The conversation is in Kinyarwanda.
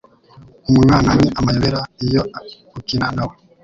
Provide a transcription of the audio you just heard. Umwana ni amayobera iyo ukina nawe